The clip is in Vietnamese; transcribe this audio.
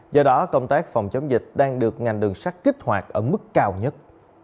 do đó công tác phòng chống dịch đang được ngành đường sắt kích hoạt ở mức cao nhất